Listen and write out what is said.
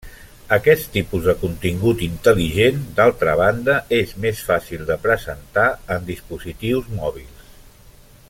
Aquest tipus de contingut intel·ligent, d'altra banda, és més fàcil de presentar en dispositius mòbils.